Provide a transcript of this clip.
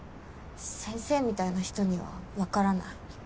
先生みたいな人には分からない。